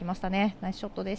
ナイスショットです。